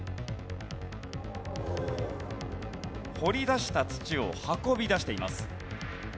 掘り出した土を運び出しています。